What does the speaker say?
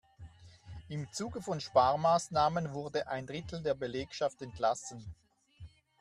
Im Zuge von Sparmaßnahmen wurde ein Drittel der Belegschaft entlassen.